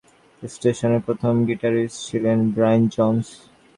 আরেক কিংবদন্তি band the rolling স্টোনসের প্রথম গিটারিস্ট ছিলেন ব্রায়ান জোন্স।